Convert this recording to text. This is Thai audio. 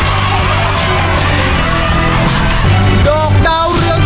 พระปักษมันก็วางแล้วลูก